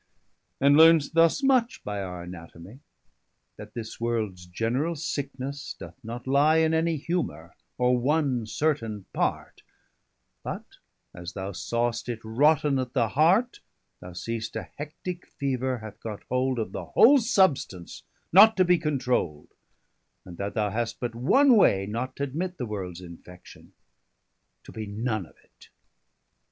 And learn'st thus much by our Anatomy, That this worlds generall sickenesse doth not lie 240 In any humour, or one certaine part; But as thou sawest it rotten at the heart, Thou seest a Hectique feaver hath got hold Of the whole substance, not to be contrould, And that thou hast but one way, not t'admit 245 The worlds infection, to be none of it.